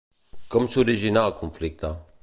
Com s'originà el conflicte?